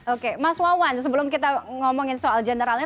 oke mas wawan sebelum kita ngomongin soal generalnya